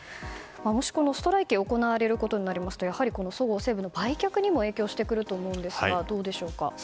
もしこのストライキが行われることになりますとやはりそごう・西武の売却にも影響すると思うんですがどうでしょうか？